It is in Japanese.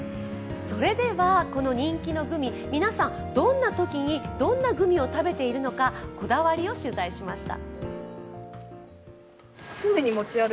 それでは、この人気のグミ、皆さん、どんなときにどんなグミを食べているのか、こだわりを取材しました。